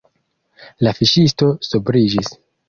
La fiŝisto sobriĝis.